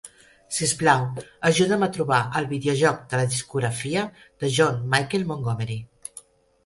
Si us plau, ajuda'm a trobar el videojoc de la discografia de John Michael Montgomery.